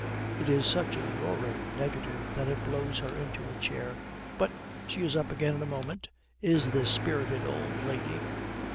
It is such a roaring negative that it blows her into a chair. But she is up again in a moment, is this spirited old lady.